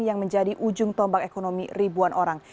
yang menjadi ujung tombak ekonomi ribuan orang